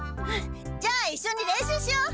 じゃあいっしょに練習しよう！